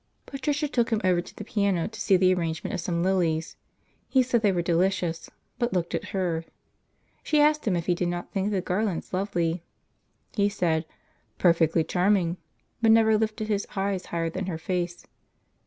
Patricia took him over to the piano to see the arrangement of some lilies. He said they were delicious, but looked at her. She asked him if he did not think the garlands lovely. He said, "Perfectly charming," but never lifted his eyes higher than her face.